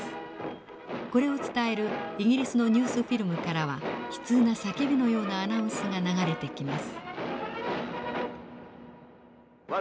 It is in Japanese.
これを伝えるイギリスのニュースフィルムからは悲痛な叫びのようなアナウンスが流れてきます。